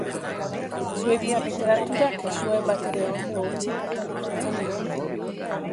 Suediar literaturak ez zuen batere ondo utzi Katalinaren irudia.